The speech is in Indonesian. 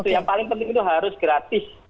yang paling penting itu harus gratis